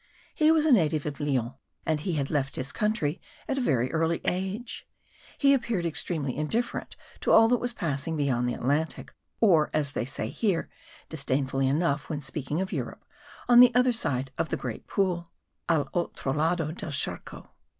He was a native of Lyons, and he had left his country at a very early age. He appeared extremely indifferent to all that was passing beyond the Atlantic, or, as they say here, disdainfully enough, when speaking of Europe, on the other side of the great pool (al otro lado del charco).